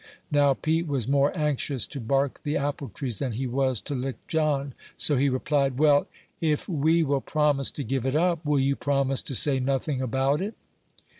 Now, Pete was more anxious to bark the apple trees than he was to lick John; so he replied, "Well, if we will promise to give it up, will you promise to say nothing about it?"